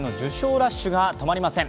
ラッシュが止まりません。